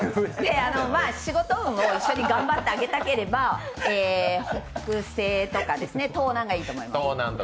仕事運を頑張って上げたければ北西とか東南がいいと思います。